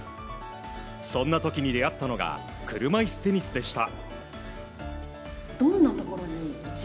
そんな時に出会ったのが車いすテニスでした。